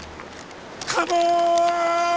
カモーン！